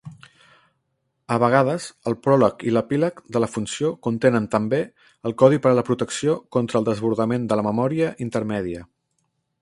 A vegades, el pròleg i l'epíleg de la funció contenen també el codi per a la protecció contra el desbordament de la memòria intermèdia.